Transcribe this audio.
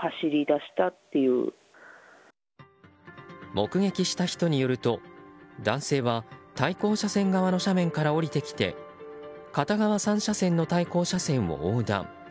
目撃した人によると、男性は対抗車線側の斜面から下りてきて片側３車線の対向車線を横断。